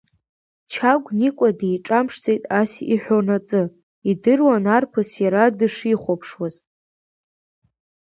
Чагә Никәа диҿамԥшӡеит ас иҳәонаҵы, идыруан арԥыс иара дышихәаԥшуаз.